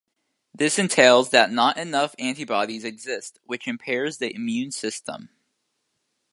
This entails that not enough antibodies exist, which impairs the immune system.